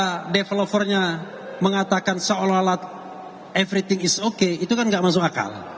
ketika developernya mengatakan seolah olah everything is okay itu kan nggak masuk akal